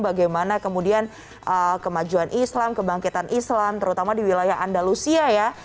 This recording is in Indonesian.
bagaimana kemudian kemajuan islam kebangkitan islam terutama di wilayah andalusia ya